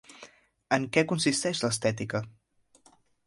En què consisteix l'estètica?